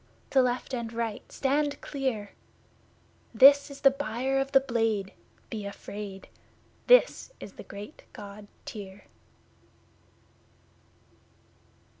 To left and right stand clear! This is the Buyer of the Blade be afraid! This is the great God Tyr!